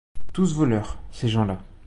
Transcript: Tous voleurs, ces gens-là.